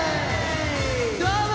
どうも！